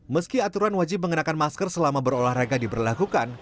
meski aturan wajib mengenakan masker selama berolahraga diberlakukan